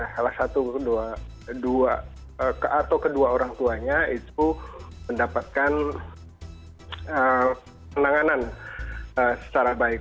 salah satu atau kedua orang tuanya itu mendapatkan penanganan secara baik